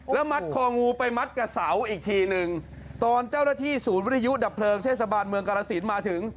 แล้วมัดคองูไปมัดกับเสาอีกทีหนึ่งตอนเจ้าหน้าที่ศูนย์วิทยุดับเพลิงเทศบาลเมืองกรสินมาถึง